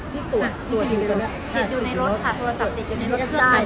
ที่ตรวจตรวจดูเข้าได้